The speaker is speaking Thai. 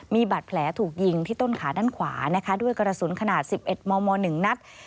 มีบาดแผลถูกยิงที่ต้นขาด้านขวานะคะด้วยกระสุนขนาด๑๑มม๑นัด